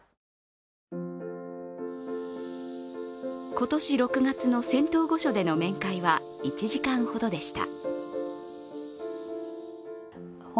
今年６月の仙洞御所での面会は１時間ほどでした。